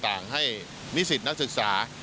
ต่างให้มิสิทธิ์นักศึกษา